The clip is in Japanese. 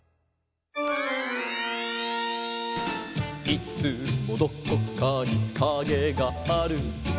「いつもどこかにカゲがある」